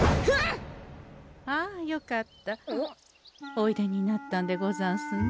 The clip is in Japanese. おいでになったんでござんすね。